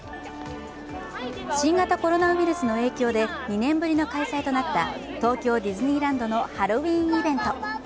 新型コロナウイルスの影響で２年ぶりの開催となった東京ディズニーランドのハロウィーンイベント。